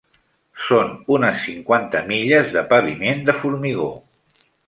Són unes cinquanta milles de paviment de formigó.